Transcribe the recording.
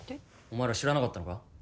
お前ら知らなかったのか？